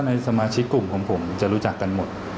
ถ้ามาชีกลุ่มผมผมจะรู้จักกันหมด